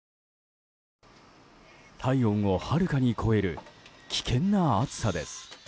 体温をはるかに超える危険な暑さです。